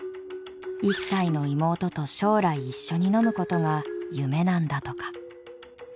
１歳の妹と将来一緒に飲むことが夢なんだとか。